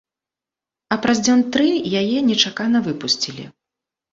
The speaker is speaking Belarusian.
А праз дзён тры яе нечакана выпусцілі.